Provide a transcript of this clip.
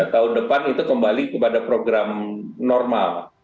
tahun depan itu kembali kepada program normal